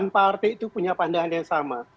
delapan partai itu punya pandangan yang sama